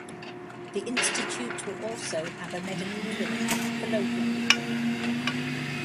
The institute will also have a medical clinic for local people.